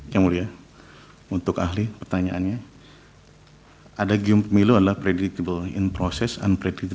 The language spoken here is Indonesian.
yang mulia untuk ahli pertanyaannya ada gilm pemilu adalah predictable in process unpredictable in result